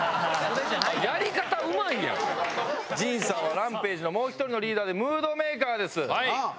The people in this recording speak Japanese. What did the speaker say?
陣さんはＲＡＭＰＡＧＥのもう１人のリーダーでムードメーカーです。